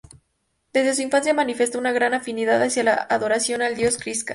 Desde su infancia manifestó una gran afinidad hacia la adoración al dios Krisná.